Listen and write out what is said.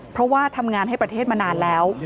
เพราะว่าทำงานให้ประเทศมานานแล้ว